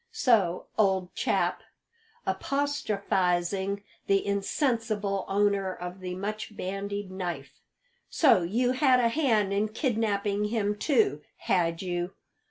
So, old chap," apostrophising the insensible owner of the much bandied knife, "so you had a hand in kidnapping him too, had you?